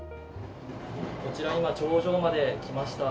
こちらは今、頂上まで来ました。